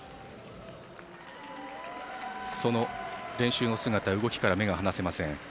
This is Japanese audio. その練習の姿、動きから目が離せません。